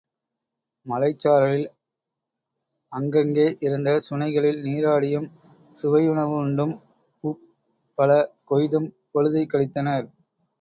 மலைச் சாரலில் அங்கங்கே இருந்த சுனைகளில் நீராடியும் சுவையுணவுண்டும் பூப் பல கொய்தும் பொழுதைக் கழித்தனர்.